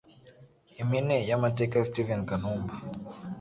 Impine y’amateka ya Steven Kanumba